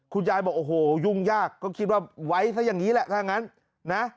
คุณยายบอกโอ้โหยุ่งยากก็คิดว่าไว้ซะอย่างนี้แหละถ้างั้นนะ